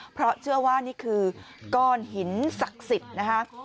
เพราะเชื่อว่านี่คือก้อนหินศักดิ์สิทธิ์นะคะ